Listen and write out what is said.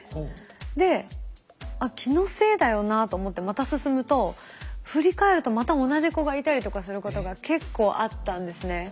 で「あっ気のせいだよな」と思ってまた進むと振り返るとまた同じ子がいたりとかすることが結構あったんですね。